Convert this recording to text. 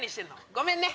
ごめんね。